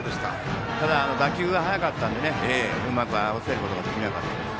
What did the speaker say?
ただ、打球が速かったのでうまく合わせることができなかったです。